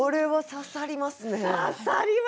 刺さりますね！